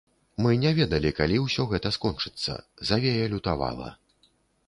Мы не ведалі, калі ўсё гэта скончыцца, завея лютавала.